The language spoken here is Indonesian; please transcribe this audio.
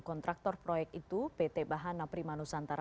kontraktor proyek itu pt bahan napri manusantara